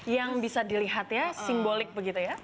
yang bisa dilihat ya simbolik begitu ya